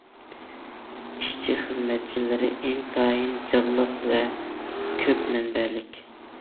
ئىشچى- خىزمەتچىلىرى ئىنتايىن جانلىق ۋە كۆپ مەنبەلىك.